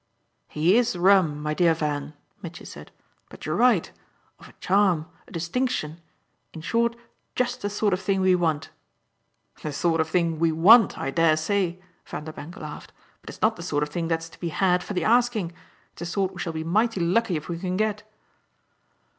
"He IS 'rum,' my dear Van," Mitchy said; "but you're right of a charm, a distinction! In short just the sort of thing we want." "The sort of thing we 'want' I dare say!" Vanderbank laughed. "But it's not the sort of thing that's to be had for the asking it's a sort we shall be mighty lucky if we can get!"